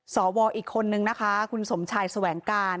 สวอีกคนนึงนะคะคุณสมชายแสวงการ